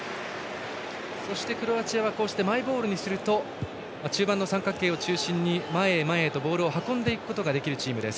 クロアチアはマイボールにすると中盤の三角形を中心に前へ前へとボールを運んでいくことができるチームです。